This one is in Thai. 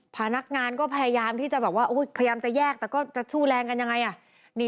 พนักงานก็พยายามที่จะแยกแต่ก็จัดชู้แรงกันยังไง